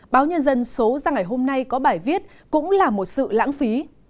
báo nhân dân số ra ngày hôm nay có bài viết cũng là một sự lãng phí